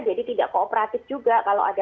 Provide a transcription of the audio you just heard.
jadi tidak kooperatif juga kalau ada